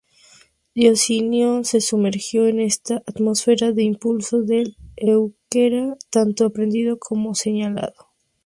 Dionisio se sumergió en esta atmósfera de impulso del euskera, tanto aprendiendo como enseñando.